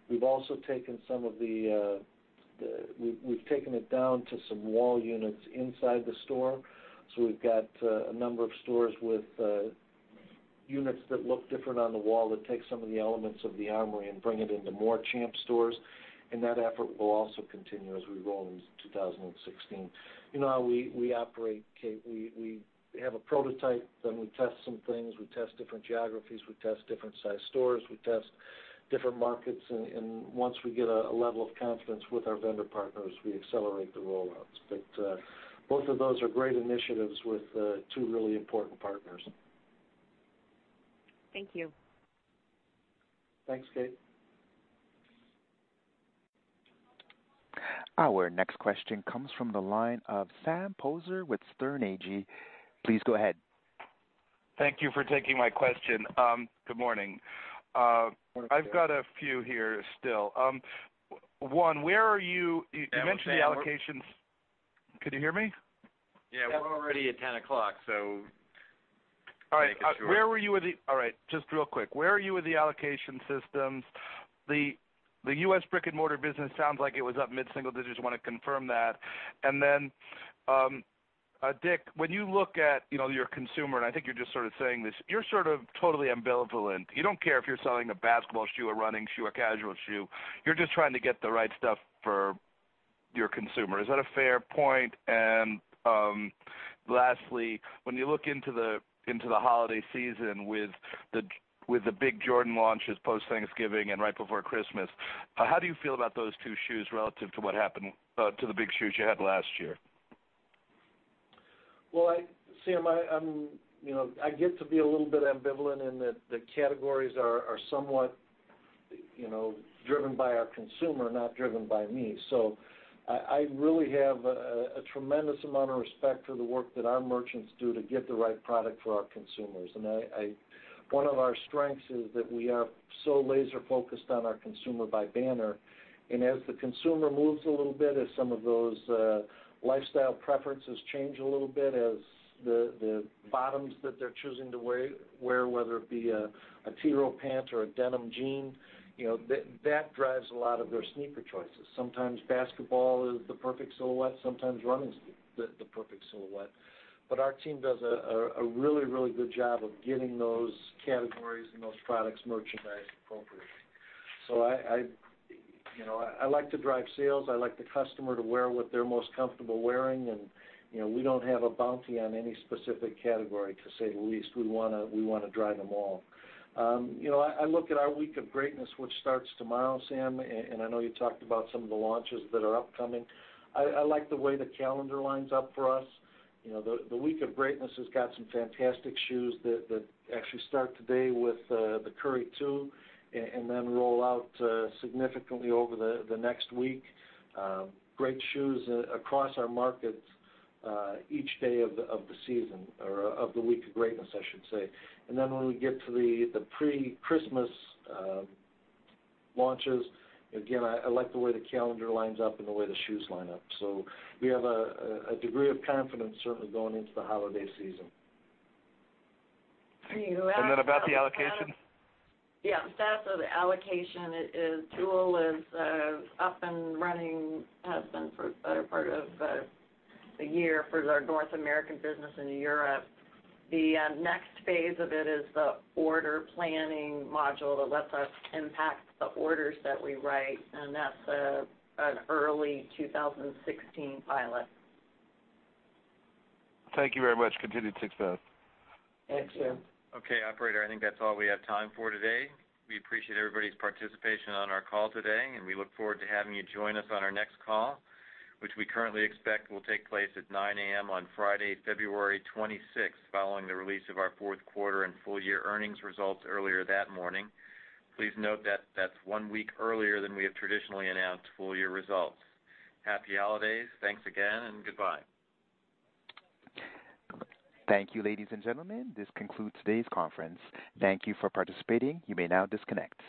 We've also taken it down to some wall units inside the store. We've got a number of stores with units that look different on the wall that take some of the elements of The ARMOURY and bring it into more Champs stores. That effort will also continue as we roll into 2016. You know how we operate, Kate. We have a prototype, we test some things. We test different geographies. We test different size stores. We test different markets, once we get a level of confidence with our vendor partners, we accelerate the rollouts. Both of those are great initiatives with two really important partners. Thank you. Thanks, Kate. Our next question comes from the line of Sam Poser with Sterne Agee. Please go ahead. Thank you for taking my question. Good morning. Morning, Sam. I've got a few here still. One, you mentioned the allocations. Could you hear me? Yeah, we're already at 10 o'clock, make it short. All right. Just real quick, where are you with the allocation systems? The U.S. brick-and-mortar business sounds like it was up mid-single digits. Want to confirm that. Then, Dick, when you look at your consumer, and I think you're just sort of saying this, you're sort of totally ambivalent. You don't care if you're selling a basketball shoe, a running shoe, a casual shoe, you're just trying to get the right stuff for your consumer. Is that a fair point? Lastly, when you look into the holiday season with the big Jordan launches post Thanksgiving and right before Christmas, how do you feel about those two shoes relative to what happened to the big shoes you had last year? Well, Sam, I get to be a little bit ambivalent in that the categories are somewhat driven by our consumer, not driven by me. I really have a tremendous amount of respect for the work that our merchants do to get the right product for our consumers. One of our strengths is that we are so laser-focused on our consumer by banner. As the consumer moves a little bit, as some of those lifestyle preferences change a little bit, as the bottoms that they're choosing to wear, whether it be a Tiro pant or a denim jean, that drives a lot of their sneaker choices. Sometimes basketball is the perfect silhouette, sometimes running is the perfect silhouette. Our team does a really, really good job of getting those categories and those products merchandised appropriately. I like to drive sales. I like the customer to wear what they're most comfortable wearing, and we don't have a bounty on any specific category to say the least. We want to drive them all. I look at our Week of Greatness, which starts tomorrow, Sam, I know you talked about some of the launches that are upcoming. I like the way the calendar lines up for us. The Week of Greatness has got some fantastic shoes that actually start today with the Curry 2 and then roll out significantly over the next week. Great shoes across our markets each day of the season, or of the Week of Greatness, I should say. When we get to the pre-Christmas launches, again, I like the way the calendar lines up and the way the shoes line up. We have a degree of confidence, certainly, going into the holiday season. About the allocation? The status of the allocation is Jewel is up and running. Has been for the better part of the year for our North American business in Europe. The next phase of it is the order planning module that lets us impact the orders that we write, and that's an early 2016 pilot. Thank you very much. Continued success. Thank you. Okay, operator, I think that's all we have time for today. We appreciate everybody's participation on our call today, and we look forward to having you join us on our next call, which we currently expect will take place at 9:00 A.M. on Friday, February 26th, following the release of our fourth quarter and full year earnings results earlier that morning. Please note that that's one week earlier than we have traditionally announced full year results. Happy holidays. Thanks again and goodbye. Thank you, ladies and gentlemen. This concludes today's conference. Thank you for participating. You may now disconnect.